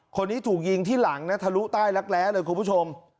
คนนี้ถูกยิงที่หลังนะทะลุใต้รักแร้เลยคุณผู้ชม